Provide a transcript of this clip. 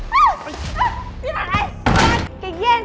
แม่